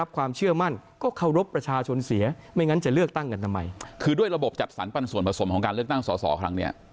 เกี่ยวกับการปรันส่วนผสมของการเลือกตั้งสอครั้งนี้